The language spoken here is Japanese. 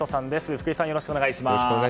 福井さん、よろしくお願いします。